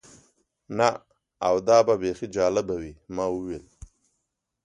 نه، او دا به بیخي جالبه وي. ما وویل.